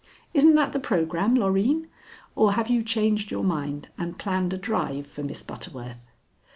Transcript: Isn't that the programme, Loreen? Or have you changed your mind and planned a drive for Miss Butterworth?"